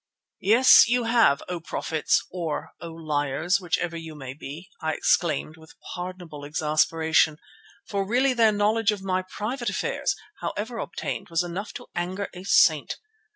"Yes, you have, O Prophets, or O Liars, whichever you may be," I exclaimed with pardonable exasperation, for really their knowledge of my private affairs, however obtained, was enough to anger a saint.